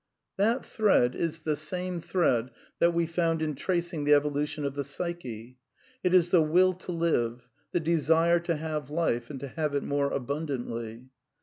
That thread is the same thread that we found in tracing the evolution of the psyche — it is the Will to live, the desire to have life, and to have it more abundantly.